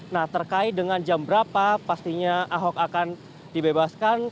nah terkait dengan jam berapa pastinya ahok akan dibebaskan